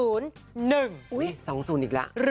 อุ้ย๒๐อีกละ